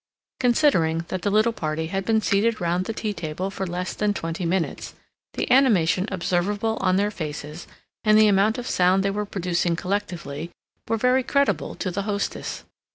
Considering that the little party had been seated round the tea table for less than twenty minutes, the animation observable on their faces, and the amount of sound they were producing collectively, were very creditable to the hostess.